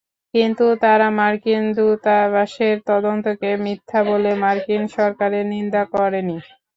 কিন্তু তারা মার্কিন দূতাবাসের তদন্তকে মিথ্যা বলে মার্কিন সরকারের নিন্দা করেনি।